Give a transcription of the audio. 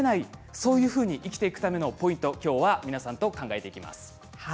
そういうふうに生きていくためのポイントを今日は皆さんと考えていきます。